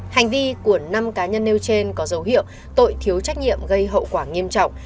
hành vi của năm cá nhân nêu trên có dấu hiệu tội thiếu trách nhiệm gây hậu quả nghiêm trọng